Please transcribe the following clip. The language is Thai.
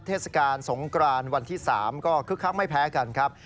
เทศกาลสงกรานวันที่๓ก็คึกคักไม่แพ้กันครับ